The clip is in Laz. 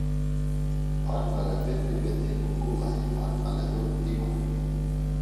Ar ǩale bet̆i bet̆i gurgulay; ar ǩale do divay.